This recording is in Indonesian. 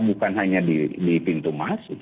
bukan hanya di pintu masuk